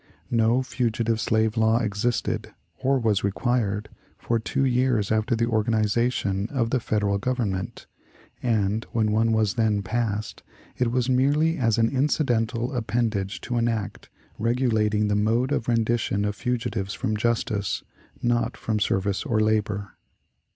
No fugitive slave law existed, or was required, for two years after the organization of the Federal Government, and, when one was then passed, it was merely as an incidental appendage to an act regulating the mode of rendition of fugitives from justice not from service or labor.